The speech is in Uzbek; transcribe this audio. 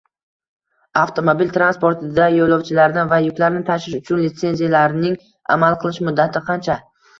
Avtomobil transportida yo‘lovchilarni va yuklarni tashish uchun litsenziyalarning amal qilish muddati qancha?